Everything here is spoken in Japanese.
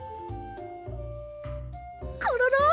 コロロ！